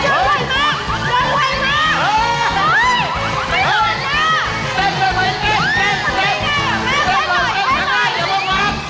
เยอะไหวมาก